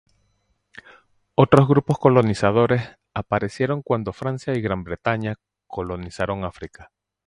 Otros grupos de colonizadores aparecieron cuando Francia y Gran Bretaña colonizaron África.